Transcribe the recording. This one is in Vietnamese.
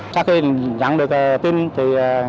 sau khi nhận được tin từ ngành giao thông